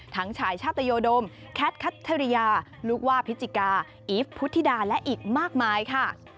ชายชาตยดมแคทคัทธริยาลูกว่าพิจิกาอีฟพุทธิดาและอีกมากมายค่ะ